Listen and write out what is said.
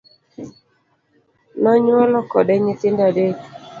Nonyuolo kode nyithindo adek.